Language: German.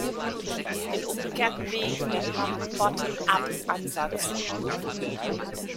Den umgekehrten Weg nennt man "Bottom-Up-Ansatz".